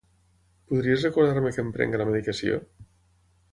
Podries recordar-me que em prengui la medicació?